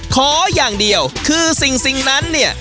ขออย่างเดียวคือสิ่งนั้นเนี่ย